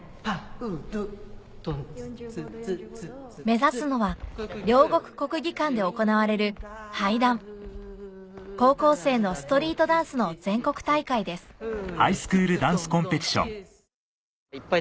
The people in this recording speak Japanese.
目指すのは両国国技館で行われる高校生のストリートダンスの全国大会ですいっぱい